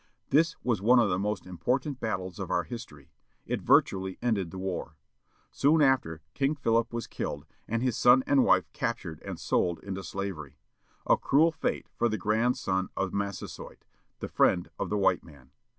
This was one of the most important battles of oiir history. It virtually ended the war. Soon after King Philip was killed, and his son and wife captured and sold into slavery. A cruel fate for the grandson of Massasoit >. â the friend of the white man.